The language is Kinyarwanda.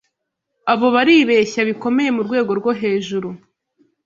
Abo baribeshya bikomeye murwego rwohejuru